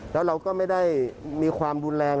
แล้วเราก็ไม่ได้มีความรุนแรง